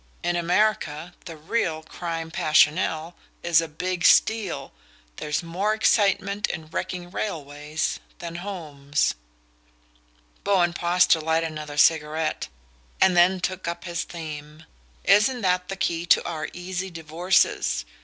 In America the real crime passionnel is a 'big steal' there's more excitement in wrecking railways than homes." Bowen paused to light another cigarette, and then took up his theme. "Isn't that the key to our easy divorces?